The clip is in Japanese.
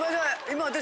今私。